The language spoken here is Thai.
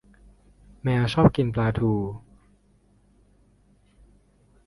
แมวชอบกินปลาทู